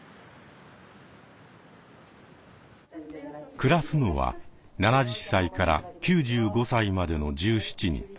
暮らすのは７０歳から９５歳までの１７人。